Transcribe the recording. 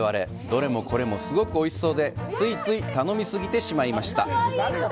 どれもこれもすごくおいしそうで、ついつい頼み過ぎてしまいました！